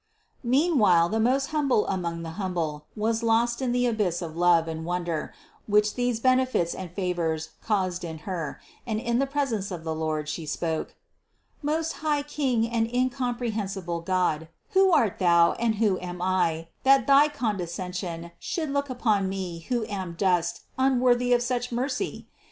Meanwhile the most Humble among the humble was lost in the abyss of love and wonder which these benefits and favors caused in Her, and in the presence of the Lord She spoke : "Most high King and incomprehensible God, who art Thou and who am I, that thy condescension should look upon me who am dust, unworthy of such mercy?